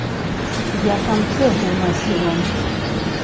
Я там цэглу насіла.